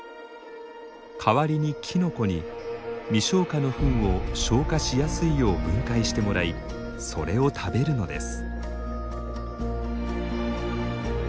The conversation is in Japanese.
かわりにキノコに未消化のフンを消化しやすいよう分解してもらいそれを食べるのです。